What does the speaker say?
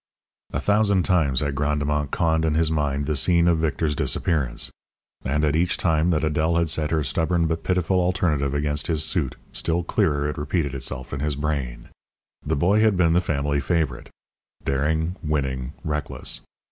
A thousand times had Grandemont conned in his mind the scene of Victor's disappearance. And, at each time that Adèle had set her stubborn but pitiful alternative against his suit, still clearer it repeated itself in his brain. The boy had been the family favourite; daring, winning, reckless.